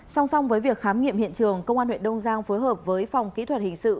song song với việc khám nghiệm hiện trường công an huyện đông giang phối hợp với phòng kỹ thuật hình sự